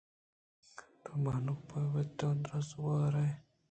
تو بانُک پاتمہ ءِ دوزواھیں دزگْوھارے ئے۔